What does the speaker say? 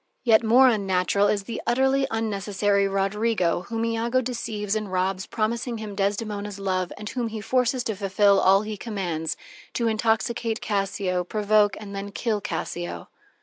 Yet more unnatural is the utterly unnecessary Roderigo whom Iago deceives and robs, promising him Desdemona's love, and whom he forces to fulfil all he commands: to intoxicate Cassio, provoke and then kill Cassio.